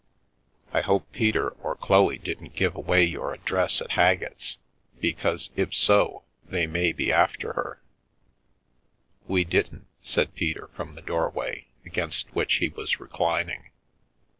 I hope Peter or Chloe didn't give away y address at Haggett's, because if so, they may be a her." " We didn't," said Peter, from the doorway, aga which he was reclining.